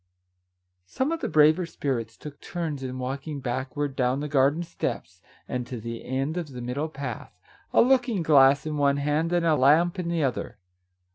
Some of the braver spirits took turns in walking backward down the garden steps, and to the end of the middle path, a looking glass in one hand and a lamp in the other.